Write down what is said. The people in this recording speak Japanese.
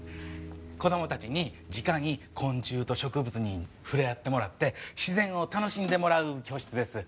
子供たちにじかに昆虫と植物に触れ合ってもらって自然を楽しんでもらう教室です。